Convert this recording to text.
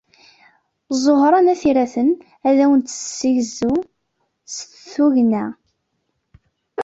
Ẓuhṛa n At Yiraten ad awen-d-tessegzu s tugna-a.